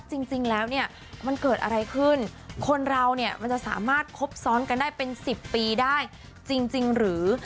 จริงแล้วเนี่ยมันเกิดอะไรขึ้นคนเราเนี่ยมันจะสามารถคบซ้อนกันได้เป็น๑๐ปีได้จริงหรือ